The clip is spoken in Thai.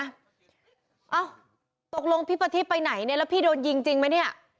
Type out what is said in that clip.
อ้าวตกลงพี่ปฏิษฐ์ไปไหนน่ะแล้วพี่โดนยิงจริงมั้ยเนี่ย